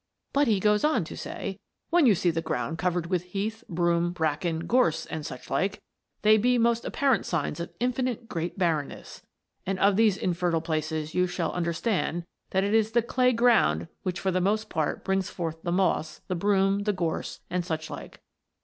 But, he goes on to say: "When you see the ground covered with Heath, Broom, Bracken, Gorse and such like, they be most apparent signs of infinite great barrenness. And, of these infertile places, you shall understand, that it is the clay ground which for the most part brings forth the Moss, the Broom, the Gorse and such like."